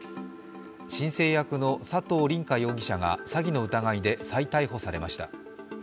申請役の佐藤凛果容疑者が詐欺の疑いで再逮捕されました。